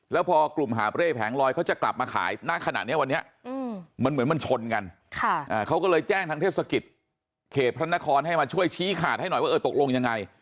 แล้วพอกลุ่มหาบเร่แผงลอยเขาจะกลับมาขายณขณะนี้วันนี้มันเหมือนมันชนกันเขาก็เลยแจ้งทางเทศกิจเขตพระนครให้มาช่วยชี้ขาดให้หน่อยว่าเออตกลงยังไง